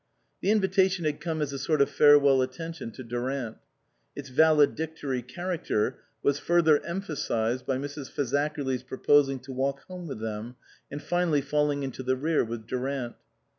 The invitation had come as a sort of farewell attention to Durant. Its valedictory character was further emphasized by Mrs. Fazakerly's pro posing to walk home with them, and finally falling into the rear with Durant.